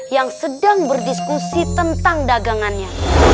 yang sedang berdiskusi tentang dagangannya